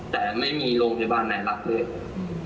แต่ไม่มีโรงพยาบาลไหนรับเลย